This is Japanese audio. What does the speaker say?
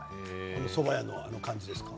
そば屋のあの感じですか？